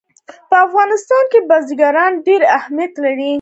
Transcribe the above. په افغانستان کې بزګان ډېر اهمیت لري.